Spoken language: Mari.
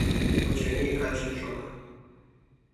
Очыни, качым шона.